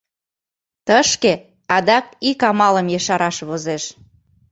Тышке адак ик амалым ешараш возеш.